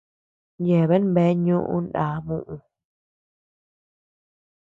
Yeabean bea ñoʼó ndá muʼu.